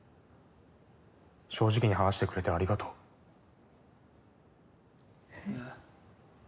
正直に話してくれてありがとうえっ？